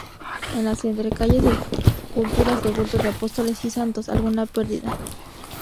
En las entrecalles, esculturas de bulto de apóstoles y santos, alguna perdida.